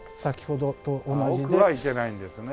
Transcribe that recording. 奥は行けないんですね。